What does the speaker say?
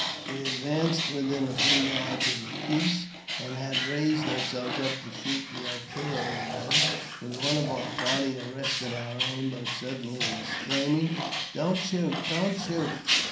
We advanced within a few yards of the piece, and had raised ourselves up to shoot the artillerymen, when one of our party arrested our aim by suddenly exclaiming, " Don't shoot I don't shoot